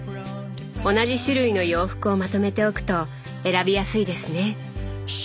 同じ種類の洋服をまとめておくと選びやすいですね。